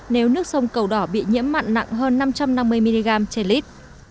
nếu nước sông cầu đỏ bị nhiễm mặn nặng hơn năm trăm năm mươi mg trên lít